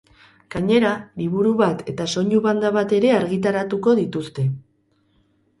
Gainera, liburu bat eta soinu-banda bat ere argitaratuko dituzte.